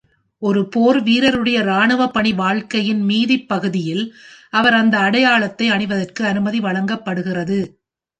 ஒரு போர்வீரருடைய ராணுவப் பணிவாழ்க்கையின் மீதிப் பகுதியில் அவர் அந்த அடையாளத்தை அணிவதற்கு அனுமதி வழங்கப்படுகிறது.